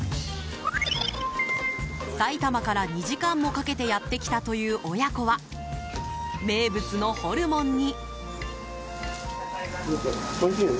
埼玉から２時間もかけてやってきたという親子は名物のホルモンに。